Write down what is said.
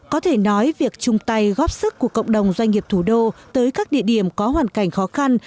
có thể nói việc chung tay góp sức của cộng đồng doanh nghiệp thủ đô tới các địa điểm có hoàn cảnh khó khăn